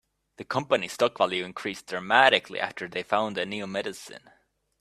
The company's stock value increased dramatically after they found a new medicine.